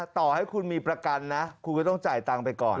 ต่อให้คุณมีประกันนะคุณไม่ต้องจ่ายตังค์ไปก่อน